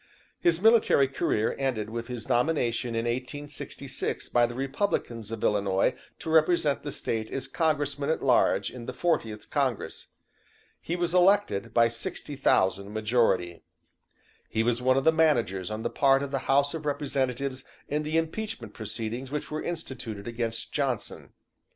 "His military career ended with his nomination in 1866 by the Republicans of Illinois to represent the State as Congressman at large in the Fortieth Congress. He was elected by 60,000 majority. He was one of the managers on the part of the House of Representatives in the impeachment proceedings which were instituted against Johnson.